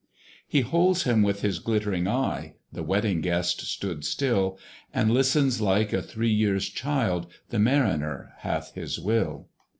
He holds him with his glittering eye The Wedding Guest stood still, And listens like a three years child: The Mariner hath his will.